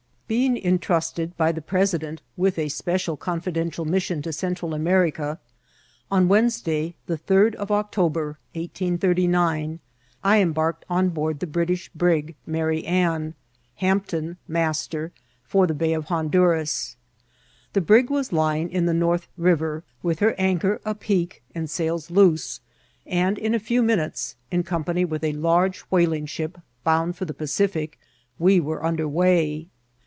Being intrasted by the President with a Special Confidential Mission to Central America, ott Wednes day, die third of October, 1839, I embarked on board the British brig Mary Ann, Hampton, master, for the Bay of Honduras. The brig was lying in the North River, with her anchor apeak and sails loose, and in a few minutes, in comfcuiy with a large whaling ship bound for the Pacific, we were under way.